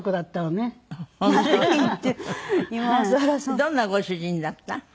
どんなご主人だった？